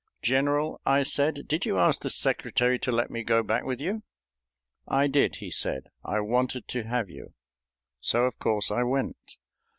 "General," I said, "did you ask the Secretary to let me go back with you?" "I did," he said; "I wanted to have you." So, of course, I went.